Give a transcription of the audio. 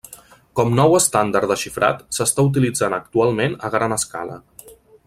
Com nou estàndard de xifrat, s'està utilitzant actualment a gran escala.